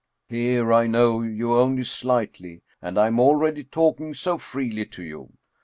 Here I know you only slightly, and I am already talking so freely to you